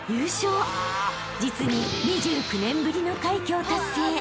［実に２９年ぶりの快挙を達成］